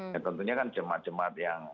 dan tentunya kan jemaah jemaah yang